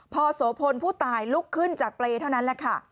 พอโสพลผู้ตายลุกขึ้นจากเปรย์เท่านั้นแหละค่ะ